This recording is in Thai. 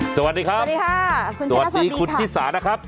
สวัสดีครับสวัสดีคุณเถษฐีสานะครับ